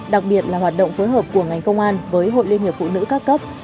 đặc biệt là hoạt động phối hợp của ngành công an với hội liên hiệp phụ nữ các cấp